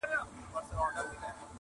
ويل زه يوه مورکۍ لرم پاتيږي؛